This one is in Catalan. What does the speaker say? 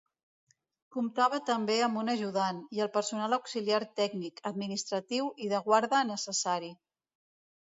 Comptava també amb un ajudant, i el personal auxiliar tècnic, administratiu i de guarda necessari.